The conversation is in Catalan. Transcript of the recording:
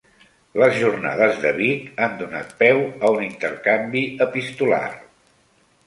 Les jornades de Vic han donat peu a un intercanvi epistolar.